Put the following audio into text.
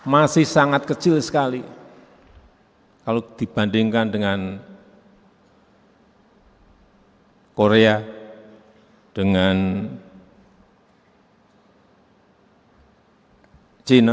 masih sangat kecil sekali kalau dibandingkan dengan korea dengan china